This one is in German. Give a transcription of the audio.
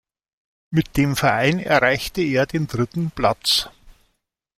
Mit dem Verein erreichte er den dritten Platz.